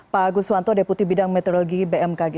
pak agus wanto deputi bidang meteorologi bmkg